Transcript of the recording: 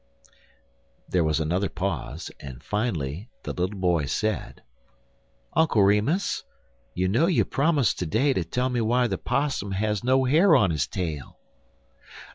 There was another pause, and finally the little boy said: "Uncle Remus, you know you promised to day to tell me why the 'Possum has no hair on his tail."